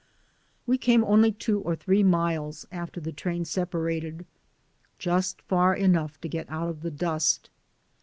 We came only two or three miles after the train separated, just far enough to get out of the dust.